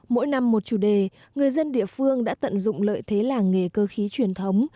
mỗi năm một chủ đề người dân địa phương đã tận dụng lợi thế làng nghề cơ khí truyền thống